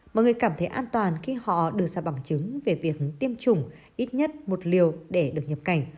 mọi người cảm thấy an toàn khi họ đưa ra bằng chứng về việc tiêm chủng ít nhất một liều để được nhập cảnh